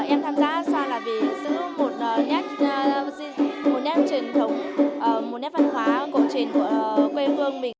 em tham gia hát xoan là vì giữ một nét văn hóa cổ trình của quê hương mình